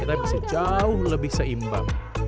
kita bisa jauh lebih seimbang